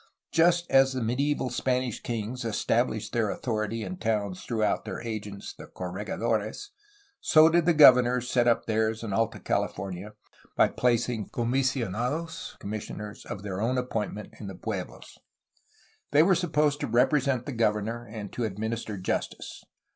Just as the medieval Spanish kings established their authority in towns through their agents, the corregidores, so did the governors set up theirs in Alta Cahfornia by placing comisionados (commis sioners) of their own appointment in the pueblos. They were supposed to represent the governor and to administer justice.